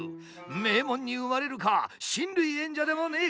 名門に生まれるか親類縁者でもねえ